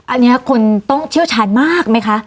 อันนี้คนต้องเชี่ยวชาญมากไหมคะ